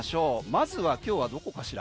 まずは今日はどこかしら？